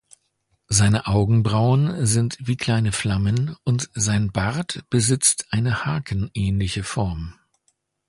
Seine Augenbrauen sind wie kleine Flammen, und sein Bart besitzt eine haken-ähnliche Form.